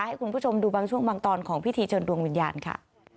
ให้คุณผู้ชมดูบางช่วงบางตอนของพิธีเชิญดวงวิญญาณค่ะ